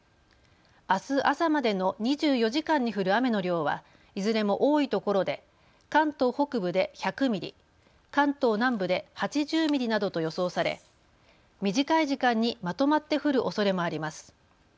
あす朝までの２４時間に降る雨の量はいずれも多いところで関東北部で１００ミリ、関東南部で８０ミリなどと予想され短い時間にまとまって降るおそれもあります。